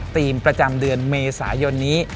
ประจำเดือนเมษายนนี้